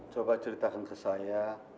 coba ceritakan ke saya